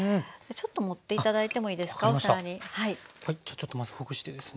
ちょっとまずほぐしてですね。